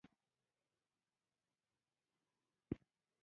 بوټونه که پاک وي، د انسان شخصیت ښيي.